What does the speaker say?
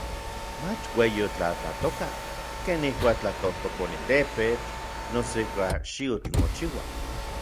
mach ueyi otlatlatoka, ken ijkuak tlatojtoponi tepetl noso ijkuak xiutl mochiua.